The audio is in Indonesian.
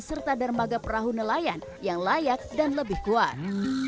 serta dermaga perahu nelayan yang layak dan lebih kuat